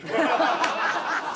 ハハハハ！